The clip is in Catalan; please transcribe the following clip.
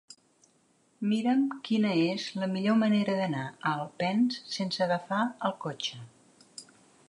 Mira'm quina és la millor manera d'anar a Alpens sense agafar el cotxe.